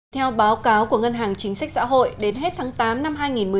theo báo cáo của ngân hàng chính sách xã hội đến hết tháng tám năm hai nghìn một mươi chín